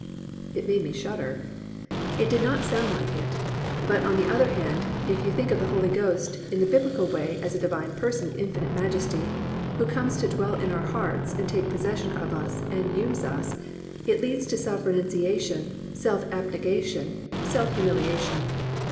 It made me shudder. It did not sound like it. But on the other hand, if you think of the Holy Spirit in the Biblical way as a Divine Person of infinite majesty, who comes to dwell in our hearts and take possession of us and use us, it leads to self renunciation, self abnegation, self humiliation.